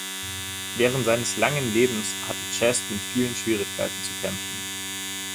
Während seines langen Lebens hatte Chest mit vielen Schwierigkeiten zu kämpfen.